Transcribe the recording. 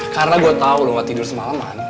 karena gue tau lo gak tidur semaleman